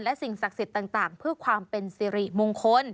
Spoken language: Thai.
และสิ่งศักดิ์สิทธิ์ต่างเพื่อความเป็นสิริมงคล